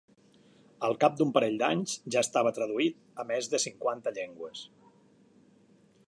Al cap d'un parell d'anys ja estava traduït a més de cinquanta llengües.